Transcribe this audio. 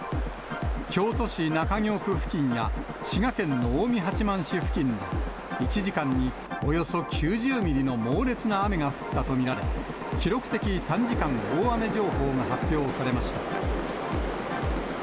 京都市中京区付近や、滋賀県の近江八幡市付近は、１時間におよそ９０ミリの猛烈な雨が降ったと見られ、記録的短時間大雨情報が発表されました。